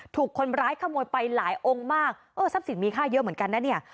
ถูกคนร้ายขโมยไปหลายองค์มากเออทรัพย์สินมีค่าเยอะเหมือนกันนะเนี่ย